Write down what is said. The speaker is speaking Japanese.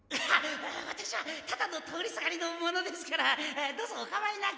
ワタシはただの通りすがりの者ですからどうぞおかまいなく。